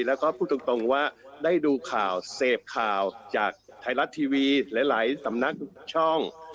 แล้วก็พูดตรงว่าได้ดูข่าวเสพข่าวจากไทยรัฐทีวีหลายสำนักช่อง